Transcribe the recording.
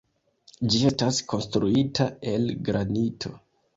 Ĝi estas konstruita el granito.